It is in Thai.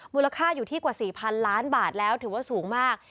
มูลค่าอยู่ที่กว่า๔๐๐๐ล้านบาทแล้วถือว่าสูงมาก